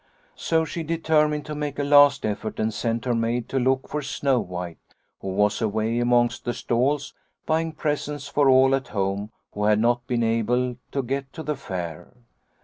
So she deter mined to make a last effort and sent her maid to look for Snow White, who was away amongst the stalls buying presents for all at home who had not been able to get to the fair.